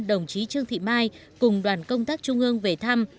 đồng chí trương thị mai cùng đoàn công tác trung ương về thăm